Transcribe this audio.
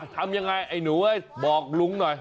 ทำยังไงไอ้หนูบอกลุงหน่อย